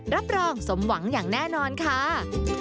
รับรองสมหวังอย่างแน่นอนค่ะ